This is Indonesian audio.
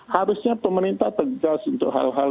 harusnya pemerintah tegas untuk hal hal